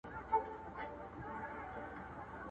نجلۍ نه وه شاه پري وه ګلدسته وه،